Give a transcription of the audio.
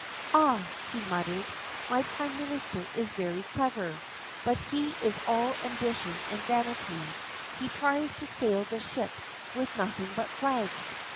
"Ah," he muttered, "my prime minister is very clever, but he is all ambition and vanity; he tries to sail the ship with nothing but flags.